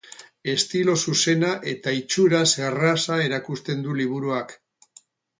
Estilo zuzena eta itxuraz erraza erakusten du liburuak.